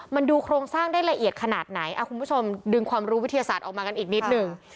มันดูโครงสร้างได้ละเอียดขนาดไหนคุณผู้ชมดึงความรู้วิทยาศาสตร์ออกมากันอีกนิดหนึ่ง